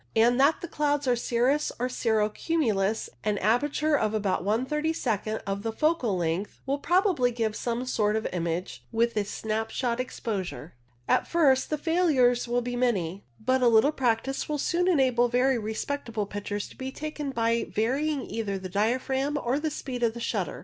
and that the clouds are cirrus or cirro cumulus, an aperture of about one thirty second of the focal length will probably give some sort of image with a snap shot exposure. At first the failures will be many, but a little practice will soon enable very respectable pictures to be taken by varying either the diaphragm or the speed of shutter.